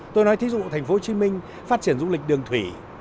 tôi nói thí dụ thành phố chính ninh phát triển du lịch đường thủy